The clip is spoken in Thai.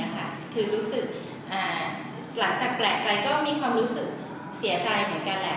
หลังจากแปลกใจก็มีความรู้สึกเสียใจเหมือนกัน